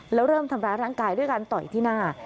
แล้วเริ่มทำร้ายร่างกายด้วยการต่อยที่หน้า